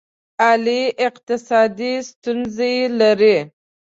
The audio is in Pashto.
علي اقتصادي ستونزې لري.